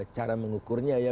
cara mengukurnya ya